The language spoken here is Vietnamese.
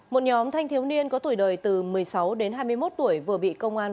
một nhóm thanh thiếu niên có tuổi đời từ một mươi sáu đến hai mươi một tuổi vừa bị công an